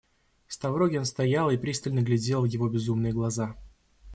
Ставрогин стоял и пристально глядел в его безумные глаза.